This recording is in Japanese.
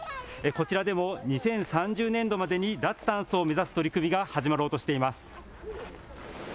こちらでも２０３０年度までに脱炭素を目指す取り組みが始まろうとしています。